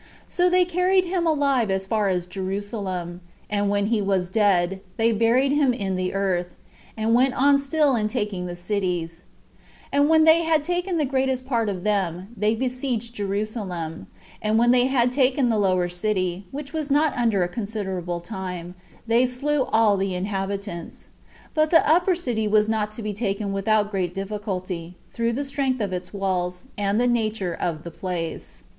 11 So they carried him alive as far as Jerusalem; and when he was dead, they buried him in the earth, and went on still in taking the cities: and when they had taken the greatest part of them, they besieged Jerusalem; and when they had taken the lower city, which was not under a considerable time, they slew all the inhabitants; but the upper city was not to be taken without great difficulty, through the strength of its walls, and the nature of the place.